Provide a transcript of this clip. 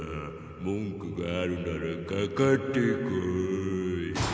もんくがあるならかかってこい。